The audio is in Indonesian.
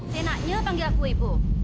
senangnya panggil aku ibu